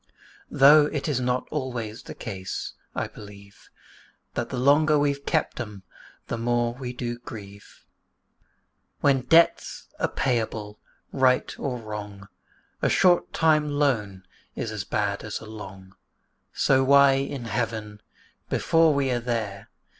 Though it is not always the case, I believe, That the longer we've kept 'em, the more do we grieve: For, when debts are payable, right or wrong, A short time loan is as bad as a long So why in Heaven (before we are there!)